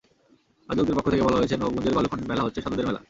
আয়োজকদের পক্ষ থেকে বলা হয়েছে, নবাবগঞ্জের বালুখন্ড মেলা হচ্ছে সাধুদের মেলা।